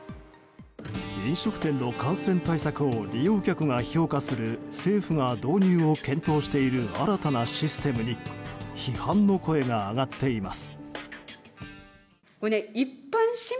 飲食店の感染対策を利用客が評価する政府が導入を検討している新たなシステムに批判の声が上がっています。